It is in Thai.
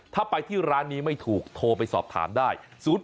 ถ้าไปที่ร้านนี้ไม่ถูกโทรไปสอบถามได้